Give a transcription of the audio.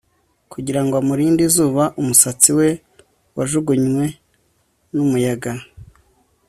Kugira ngo amurinde izuba umusatsi we wajugunywe numuyaga